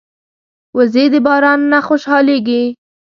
وزې د باران نه خوشحالېږي